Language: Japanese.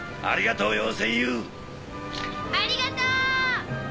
ありがとう！